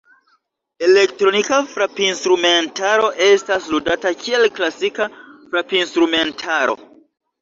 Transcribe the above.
Elektronika frapinstrumentaro estas ludata kiel klasika frapinstrumentaro.